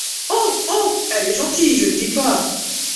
Oh ! oh !… elle est gentille, je ne dis pas…